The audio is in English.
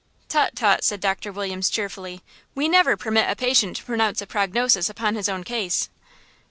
"Tut–tut," said Doctor Williams, cheerfully. "We never permit a patient to pronounce a prognosis upon his own case!"